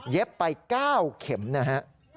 เย็บไป๙เข็มนะฮะ